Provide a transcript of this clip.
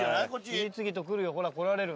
次々と来るよほら来られる。